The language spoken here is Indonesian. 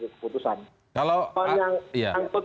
keputusan kalau yang